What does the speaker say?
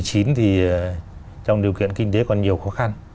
dịch covid một mươi chín thì trong điều kiện kinh tế còn nhiều khó khăn